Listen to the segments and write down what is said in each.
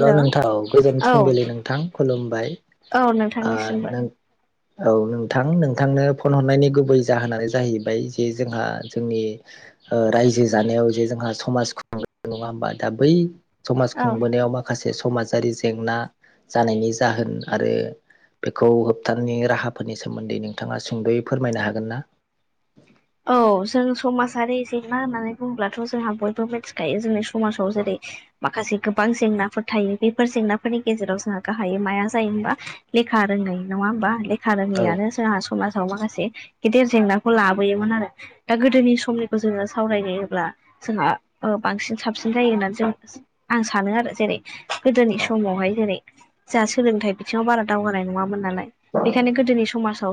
हेल' नोंथां, गोजोन औ फुंबिलि नोंथां खुलुमबाय औ ओ नोंथांनिसिमबो नों औ नोंथां नोंथांनो फन हरनायनि गुबै जाहोनानो जाहैबाय जे जोंहा जोंनि ओ‌ रायजो जानायाव जे जोंहा समाज [unintelligible] नङा होमबा दा बै समाज औ खुंबोनायाव माखासे समाजारि जेंना जानायनि जाहोन आरो बेखौ होबथानायनि राहाफोरनि सोमोन्दै नोंथाङा सुंद'यै फोरमायनो हागोन ना? औ जों समाजारि जेंना होननानै बुंङोब्लाथ' जोंहा बयबो मिथिखायो जोंनि समाजाव जेरै माखासे गोबां जेंनाफोर थायो बेफोर जेंनाफोरनि गेजेराव जोंहा गाहाय माया जायो होनबा लेखा रोङै नङा होमबा? लेखा औ रोङैआानो जोंहा समाजाव माखासे गिदिर जेंनाखौ ला बोयोमोन आरो। दा गोदोनि समनिखौ जोङो सावरायलायोब्ला जोंहा ओ बांसिन साबसिन जायो होननानै जों आं सानो आरो जेरै गोदोनि समावहाय जेरै जोंहा सोलोंथाइ बिथिङाव बारा दावगानाय नङामोन नालाय बेखायनो गोदोनि समाजाव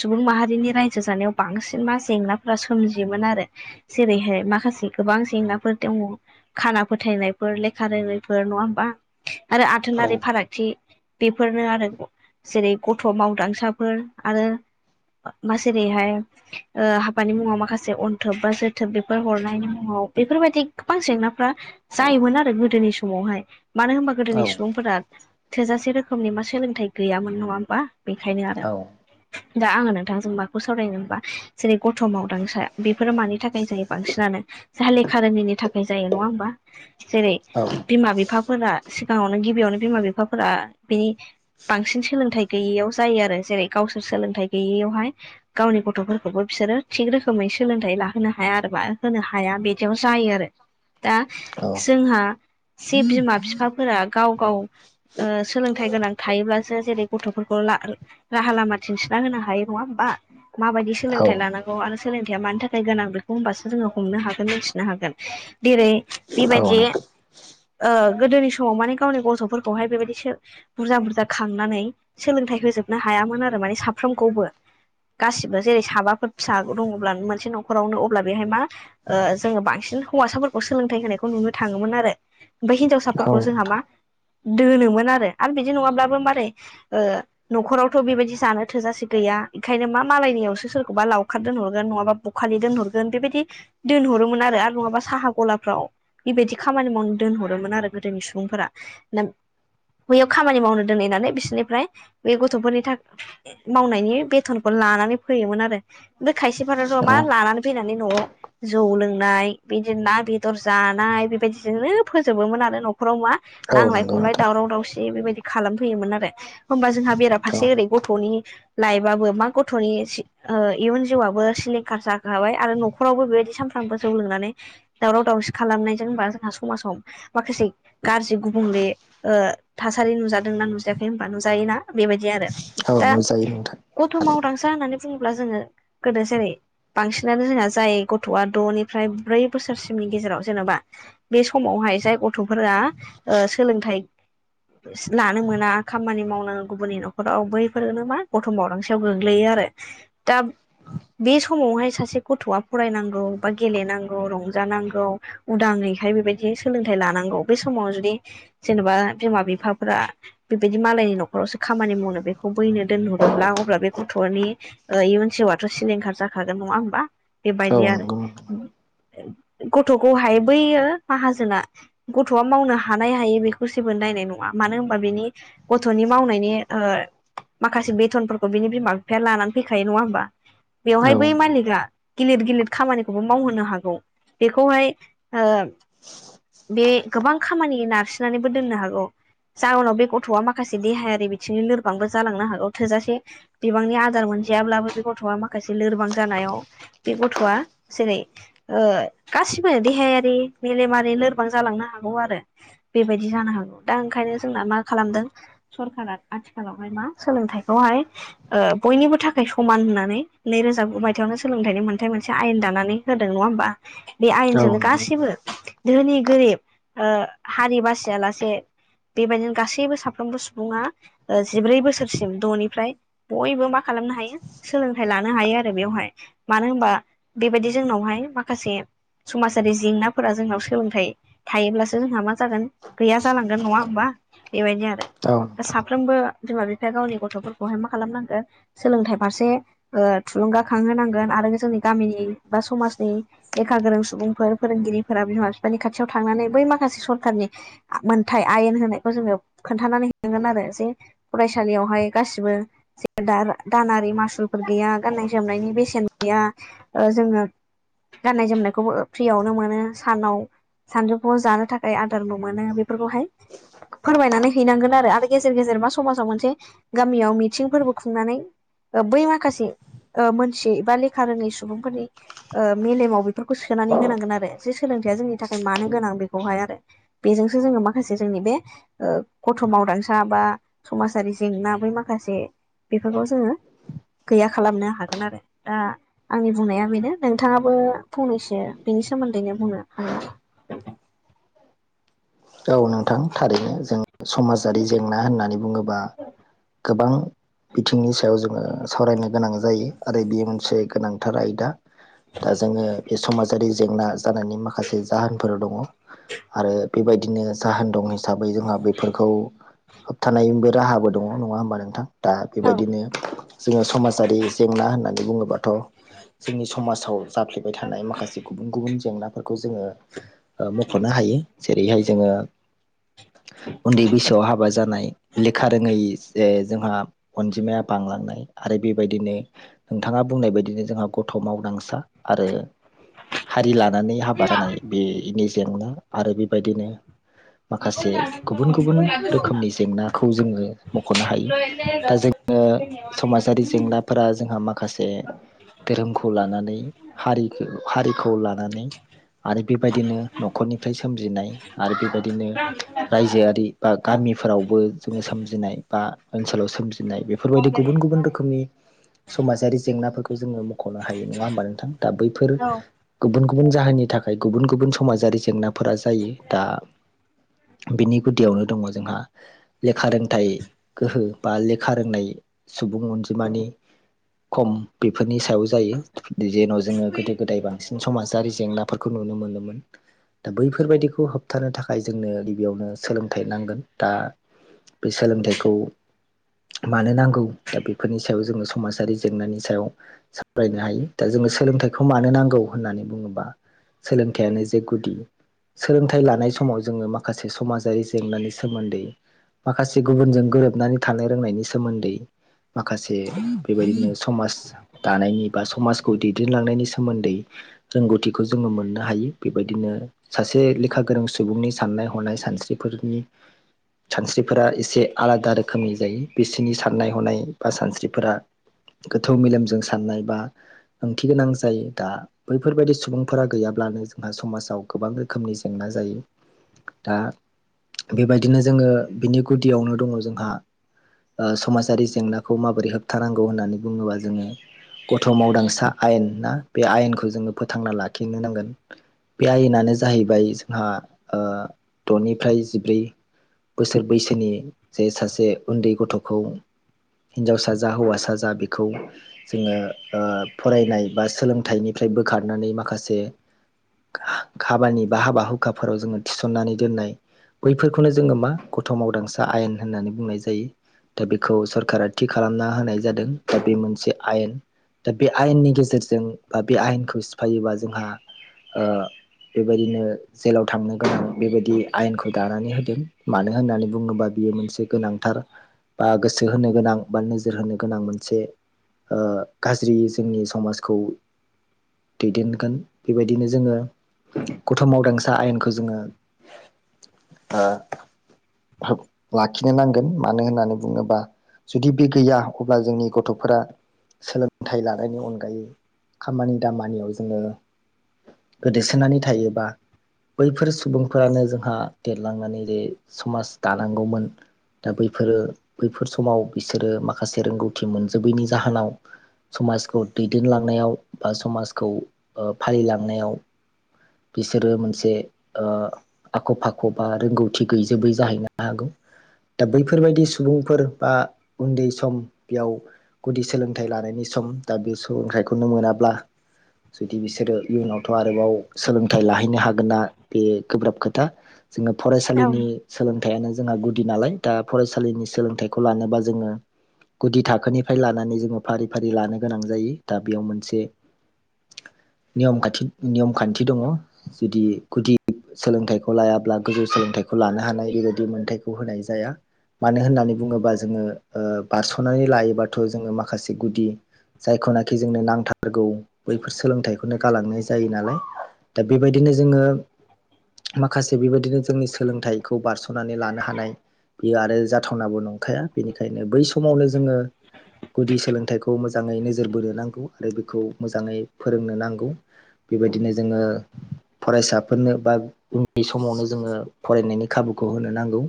सुबुं माहारिनि रायजो जानायाव बांसिन मा जेंनाफोरा सोमजियोमोन आरो। जेरैहाय माखासे गोबां जेंनाफोर दङ खाना फोथायनायफोर लेखा रोंनायफोर नङा होनबा? आरो औ आथोनारि फाराग थि बेफोरनो आरो जेरै गथ' मावदांसाफोर आरो बा जेरैहाय ओ हाबानि मुङाव माखासे अन्थोब बा जोथोब बेफोर हरनायनि मुङाव बेफोरबायदि गोबां जेंनाफ्रा जायोमोन आरो गोदोनि समावहाय मानो होनबा औ गोदोनि सुबुंफोरा थोजासे रोखोमनि मा सोलोंथाइ गैयामोन नङा होमबा बेखायनो आरो। दा आङो नोंथांजों माखौ सावरायनो होनबा? जेरै गथ' मावदांसा बेफोरो मानि थाखायनो जायो बांसिनानो जाहा लेखा रोङिनि थाखाय जायो नङा होमबा? जेरै औ बिमा बिफा फोरा सिगाङावनो गिबियावनो बिमा बिफाफोरा बिनि बांसिन सोलोंथाइ गैयैयाव जायो आरो जेरै गावसोर सोलोंथाइ गैयैयावहाय गावनि गथ' फोरखौबो बिसोरो थिग रोखोमै सोलोंथाइ लाहोनो हाया आरोबा होनो हाया बिदियाव जायो आरो। दा औ जोंहा जे बिमा बिफाफोरा गाव गाव ओ सोलोंथाइ गोनां थायोब्लासो जेरै गथ'फोरखौ ला राहा लामा दिन्थिना होनो हायो नङा ओमबा माबायदि सोलोंथाइ लानां आरो सोलोंथाइया मानि थाखाय गोनां बेखौ होमबासो जोङो हमनो हागोन मिथिनो हागोन जेरै औ बेबायदि नोंथां ओ गोदोनि समाव माने गावनि गथ'फोरखौहाय बेबायदि सो बुरजा बुरजा खांनानै सोलोंथाइ होजोबनो हायामोन आरो माने साफ्रोमखौबो गासिबो जेरै साबाफोर फिसा दङब्ला मोनसे न'खरावनो अब्ला बेहाय मा ओ जोङो बांसिन हौवासाफोरखौ सोलोंथाइ होनायखौ नुनो थाङोमोन आरो। ओमफाय हिनजावसाफोरखौ जोंहा मा दोनोमोन आरो आरो बिदि नङाब्लाबो मारै ओ न'खरावथ' बेबायदि जानो थोजासे गैया बेखायनो मा मालायनियावसो सोरखौबा लावखार दोनहरगोन नङाबा बखालि दोनहरगोन बेबायदि दोनहरोमोन आरो आरो नङाबा साहा गलाफ्राव बेबायदि खामानि मावनो दोनहरोमोन आरो गोदोनि सुबुंफोरा ना बैयाव खामानि मावनो दोनहैनानै बिसोरनिफ्राय बे गथ'फोरनि था मावनायनि बेथनखौ लानानै फैयोमोन आरो बे खायसेफोराथ' औ मा लानानै फैनानै न'आव जौ लोंनाय बिदिनो ना बेदर जानाय बेबायदिजोंनो फोजोबोमोन आरो न'खराव मा औ औ नांलाय नंगौ खमलाय नोंथां दावराव दावसि बेबायदि खालामफैयोमोन आरो होमबा जोंहा औ बेराफारसे ओरै गथ'नि लाइफबो मा गथ'नि ओ इयुन जिउआबो सिलिंखार जाखाबाय आरो न'खरावबो बेबायदि सानफ्रामबो जौ लोंनानै दावराव दावसि खालामनायजों होनबा जोंहा समाजाव माखासे गाज्रि गुबुंले ओ थासारि नुजादोंना नुजायाखै होनबा नुजायो ना बेबायदि आरो। औ दा नुजायो नोंथां गथ' मावदांसा होननानै बुङोब्ला जोङो गोदो जेरै बांसिनानो जोंना जाय गथ'आ द'निफ्राय ब्रै बोसोरसिमनि गेजेराव जेनेबा बे समावहाय जाय गथ'फोरा ओ सोलोंथाइ लानो मोना खामानि मावनो गुबुननि न'खराव बैफोरनो मा गथ' मावदांसायाव गोग्लैयो आरो। दा बे समावहाय सासे गथ'आ फरायनांगौ बा गेलेनांगौ, रंजानांगौ उदाङैहाय बेबायदि सोलोंथाइ लानांगौ बे समावनो जुदि जेनेबा बिमा बिफाफोरा बेबायदि मालायनि न'खरावसो खामानि मावनो बेखौ बैनो दोनहरोब्ला अब्ला बे गथ'नि इयुन जिउआथ' सिलिंखार जाखागोन नङा होमबा औ बेबायदि आरो। नंगौ गथ'खौहाय बैयो माहाजोना गथ'आ मावनो हानाय हायै बेखौ जेबो नायनाय नङा मानो होनबा बेनि गथ'नि मावनायनि ओ माखासे बेथनफोरखौ बिनि बिमा बिफाया लानानै फैखायो नङा होमबा औ बेवहाय बै मालिका गिलिद गिलिद खामानिखौबो मावहोनो हागौ बेखौहाय ओ बे गोबां खामानि नारसिननानैबो दोननो हागौ। जाहोनाव बे गथ'आ माखासे देहायारि बिथिंनि लोरबांबो जालांनो हागौ थोजासे बिबांनि आदार मोन जायाब्लाबो बे गथ'आ माखासे लोरबां जानायाव बे गथ'आ जेरै ओ गासिबो देहायारि, मेलेमारि लोरबां जालांनो हागौ आरो। बेबायदि जानो हागौ दा ओंखायनो जोंना मा खालामदों सरकारा आथिखालावहाय मा सोलोंथाइखौहाय ओ बयनिबो था खाय समान होनानै नैरोजा गु मायथाइयावनो सोलोंथाइनि मोनथाइ मोनसे आयेन दानानै होदों नङा होमबा? बे औ आयेनजोंनो नंगौ गासैबो धोनि गोरिब ओ हारि बासियालासे बेबायदिनो गासैबो साफ्रोमबो सुबुङा ओ जिब्रै बोसोरसिम द'निफ्राय बयबो मा खालामनो हायो सोलोंथाइ लानो हायो आरो बेवहाय मानो होमबा बेबायदि जोंनावहाय माखासे समाजारि जेंनाफोरा जोंनाव सोलोंथाइ थायोब्लासो जोंहा मा जागोन गैया जालांगोन नङा होमबा बेबायदि आरो नोंथां औ नोंथां साफ्रोमबो बिमा बिफाया गावनि गथ'फोरखौहाय मा खालामनांगोन सोलोंथाइ फारसे ओ थुलुंगाखांहोनांगोन आरो जोंनि गामिनि बा समाजनि लेखा गोरों सुबुंफोर फोरोंगिरिफोरा बिमा बिफानि खाथियाव थांनानै बै माखासे सरखारनि मोनथाय आयेन होनायखौ जोङो खोन्थानानै होनांगोन आरो जे फरायसालियावहाय गासिबो दानारि मासुलफोर गैया गाननाय जोमनायनि बेसेन गैया ओ जोङो गाननाय जोमनायखौबो ओ फ्रियावनो मोनो सानाव सानजौफुआव जानो थाखाय आदारबो मोनो बेफोरखौहाय फोरमायनानै हैनांगोन आरो गेजेर गेजेर मा समाजाव मोनसे गामियाव मिथिंफोरबो खुंनानै ओ बै माखासे ओ मोनथियै एबा लेखा रोङै सुबुंफोरनि ओ मेलेमाव बेफोरखौ सोनानै होनांगोन आरो जे सोलोंथायाइया जोंनि थाखाय मानो गोनां बेखौहाय आरो बेजोंसो जोङो माखासे जोंनि बे ओ गथ' मावदांसा बा समाजारि जेंना बै माखासे बेफोरखौ जोङो गैया खालामनो हागोन आरो दा आंनि बुंनाया बेनो नोंथाङाबो फंनैसो बेनि सोमोन्दैनो बुंनो हागोन नामा औ नोंथां थारैनो जों समाजारि जेंना होननानै बुङोबा गोबां बिथिंनि सायाव जोङो सावरायनो गोनां जायो आरो बेयो मोनसे गोनांथार आयदा दा जोङो बे समाजारि जेंना जानायनि माखासे जाहोनफोर दङ आरो बेबायदिनो जाहोन दं हिसाबै जोंहा बेफोरखौ होबथानायनिबो राहाबो दङ नङा होमबा नोंथां दा औ बेबायदिनो जोङो समाजारि जेंना होननानै बुङोबाथ' जोंनि समाजाव जाफ्लेबाय थानाय माखासे गुबुन गुबुन जेंनाफोरखौ जोङो ओ मख'नो हायो जेरैहाय जोङो [inaudible] उन्दै बैसोआव हाबा जानाय लेखा रोङै जे जोंहा अनजिमाया बांलांनाय आरो बेबायदिनो नोंथाङा बुंनाय बायदिनो जोंहा गथ' मावदांसा आरो हारि लानानै हाबा जानाय बेनि जेंना आरो बेबायदिनो माखासे गुबुन गुबुन रोखोमनि जेंनाखौ जोङो मख'नो हायो दा जों [unintelligible] दि जेंनाफोरा जोंहा माखासे धोरोमखौ लानानै हारि हारिखौ लानानै आरो बेबायदिनो न'खरनिफ्राय सोमजिनाय आरो बेबायदिनो रायजोआरि बा गामिफोरावबो जोङो सोमजिनाय बा ओनसोलाव सोमजिनाय बेफोरबायदि गुबुन गुबुन रोखोमनि समाजारि जेंनाफोरखौ जोङो ख'नो हायो नङा होमबा नोंथां दा बैफोर औ गुबुन गुबुन जाहोननि थाखाय गुबुन गुबुन समाजारि जेंना फोर जायो दा बिनि गुदियावनो दङ जोंहा लेखा रोंथाइ गोहो बा लेखा रोंनाय सुबुं अनजिमानि खम बेफोरनि सायाव जायो जेन' जोङो गोदो गोदाय बांसिन समाजारि जेंनाफोरखौ नुनो मोनोमोन दा बैफोरबायदिखौ होबथानो थाखाय खाय जोंनो गिबियावनो सोलोंथाइ नांगोन दा बे सोलोंथाइखौ मानो नांगौ दा बेफोरनि सायाव जोङो समाजारि जेंनानि सायाव सावरायनो हायो दा जोङो सोलोंथाइखौ मानो नांगौ होननानै बुङोबा सोलोंथाइयानो जे गुदि सोलोंथाइ लानाय समाव जोङो माखासे समाजारि जेंनानि सोमोन्दै माखासे गुबुनजों गोरोबनानै थानो रोंनायनि सोमोन्दै माखासे बेबायदिनो समाज दानायनि बा समाजखौ दैदेनलांनायनि सोमोन्दै रोंगौथिखौ जोङो मोननो हायो बेबायदिनो आरो सासे लेखा गोरों सुबुंनि साननाय हनाय सानस्रिफोर सानस्रिफोरा एसे आलादा रोखोमनि जायो बिसोरनि साननाय हनाय बा सानस्रिफोरा गोथौ मेलेमजों साननाय बा ओंथि गोनां जायो दा बैफोरबायदि सुबुंफोरा गैयाब्लानो जोंहा समाजाव गोबां रोखोमनि जेंना जायो। दा बेबायदिनो जोङो बिनि गुदियावनो दङ जोंहा ओ समाजारि जेंनाखौ माबोरै होबथानांगौ होननानै बुङोबा जोङो गथ' मावदांसा आयेन ना बे आयेनखौ जोङो फोथांना लाखिनो नांगोन। बे आयेनानो जाहैबाय जोंहा ओ द'निफ्राय जिब्रै बोसोर बैसोनि जे सासे उन्दै गथ'खौ हिनजावसा जा हौवासा जा बेखौ जोङो ओ फरायनाय बा सोलोंथाइनिफ्राय बोखारनानै माखासे [inaudible] खाबानि बा हाबा हुखाफोराव जोङो थिसननानै दोननाय बैफोरखौनो जोङो मा गथ' मावदांसा आयेन होननानै बुंनाय जायो। दा बेखौ सरकारा थि खालामना होनाय जादों दा बे मोनसे आयेन दा बे आयेननि गेजेरजों बा बे आयेनखौ सिफायोबा जोंहा ओ बेबायदिनो जेलाव थांनो गोनां बेबायदि आयेनखौ दानानै होदों मानो होननानै बुङोबा बियो मोनसे गोनांथार बा गोसो होनो गोनां बा नोजोर होनो गोनां मोनसे ओ गाज्रियै जोंनि समाजखौ दैदेनगोन बेबायदिनो जोङो गथ' मावदांसा आयेनखौ जोङो ओ लाखिनो नांगोन मानो होननानै बुङोबा जुदि बे गैया अब्ला जोंनि गथ'फोरा सोलोंथाइ लानायनि अनगायै खामानि दामानियाव जोङो गोदोसोनानै थायोबा बैफोर सुबुंफोरानो जोंहा देरलांनानै जे समाज दानांगौमोन दा बैफोरो बैफोर समाव बिसोरो माखासे रोंगौथि मोनजोबैनि जाहोनाव समाजखौ दैदेनलांनायाव ओ समाजखौ ओ फालिलांनायाव बिसोरो मोनसे ओ आख' फाख' बा रोंगौथि गैजोबै जाहैनो हागौ। दा बैफोरबायदि सुबुंफोर बा उन्दै सम बेयाव गुदि सोलोंथाइ लानायनि सम दा बे सोलोंथाइखौनो मोनाब्ला जुदि बिसोरो इयुनावथ' आरोबाव सोलोंथाइ लाहैनो हागोना बे गोब्राब खोथा जोङो फरायसालिनि सोलों थायानो जोंहा गुदि नालाय दा फरायसालिनि सोलोंथाइखौ लानोबा जोङो गुदि थाखोनिफ्राय लानानै जोङो फारि फारि लानो गोनां जायो दा बेयाव मोनसे नियम खान्थि नियम खान्थि दङ जुदि गुदि सोलोंथाइखौ लायाब्ला गोजौ सोलोंथाइखौ लानो हानाय बेबायदि मोन्थायखौ होनाय जाया मानो होननानै बुङोबा जोङो ओ बारस'नानै लायोबाथ' जोङो माखासे गुदि जायखौनाखि जोंनो नांथारगौ बैफोर सोलोंथाइखौनो गालांनाय जायो नालाय दा बेबायदिनो जोङो माखासे बेबायदिनो जोंनि सोलोंथाइखौ बारस'नानै लानो हानाय बियो आरो जाथावनाबो नंखाया बेनिखायनो बै समावनो जोङो गुदि सोलोंथाइखौ मोजाङै नोजोर बोनो नांगौ आरो बेखौ मोजाङै फोरोंनो नांगौ बेबायदिनो जोङो फरायसाफोरनो बा उन्दैनि समावनो जोङो फरायनायनि खाबुखौ होनो नांगौ।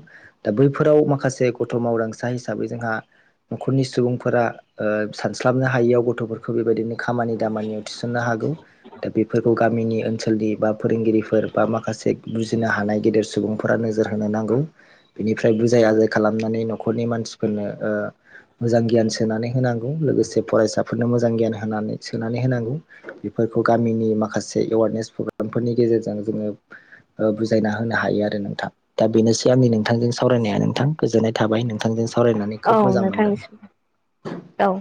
दा बैफोराव माखासे गथ' मावदांसा हिसाबै जोंहा न'खरनि सुबुंफोरा सानस्लाबनो हायियाव गथ'फोर बेबायदिनो खामानि दामानियाव थिसननो हागौ दा बेफोर खौ गामिनि ओनसोलनि बा फोरोंगिरिफोर बा माखासे बुजिनो हानाय गेदेर सुबुंफोरा नोजोर होनो नांगौ। बिनिफ्राय बुजाय आजाय खालामनानै न'खरनि मानसिफोरनो ओ मोजां गियान सोनानै होनांगौ लोगोसे फरायसाफोरनो मोजां गियान होनानै सोनानै होनांगौ बेफोरखौ गामिनि माखासे एवारनेस पग्रामफोरनि गेजेरजों जोङो बुजायना होनो हायो आरो नोंथां दा बेनोसै आंनि नोंथांजों सावरायनाया नोंथां गोजोननाय थाबाय नोंथांजों सावरायनानै औ खोब मोजां मोनदों। नोंथांनिसिम औ।